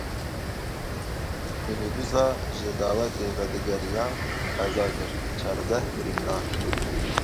Mînîbusa ji dawetê vedigeriya qeza kir çardeh birîndar.